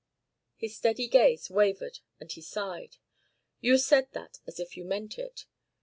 His steady gaze wavered and he sighed. "You said that as if you meant it.